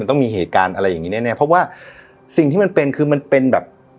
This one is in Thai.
ต้องมีเหตุการณ์อะไรอย่างนี้แน่แน่เพราะว่าสิ่งที่มันเป็นคือมันเป็นแบบ